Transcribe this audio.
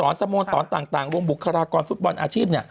ตอนสมโลยีตอนต่างโรงบุคคารากรฟุตบอลอาชีพ